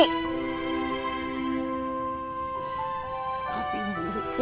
gak ada yang peduli